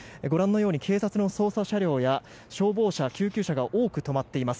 警察の捜査車両や消防車救急車が止まっています。